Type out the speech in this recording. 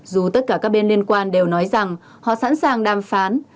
dù tất cả các bên liên quan đều nói rằng họ sẵn sàng đàm phán